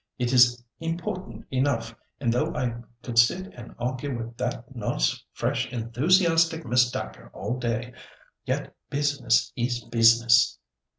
"It is important enough, and though I could sit and argue with that nice, fresh, enthusiastic Miss Dacre all day, yet 'business is business.